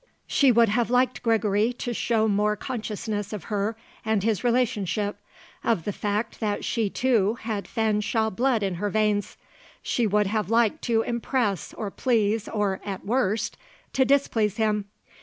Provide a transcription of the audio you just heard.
She would have liked Gregory to show more consciousness of her and his relationship, of the fact that she, too, had Fanshawe blood in her veins. She would have liked to impress, or please or, at worst, to displease him.